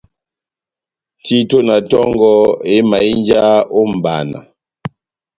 Tito na tongɔ éhimahínja ó mʼbana